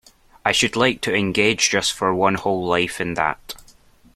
I should like to engage just for one whole life in that.